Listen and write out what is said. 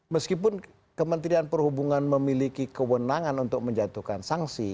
meskipun kementerian perhubungan memiliki kewenangan untuk menjatuhkan sanksi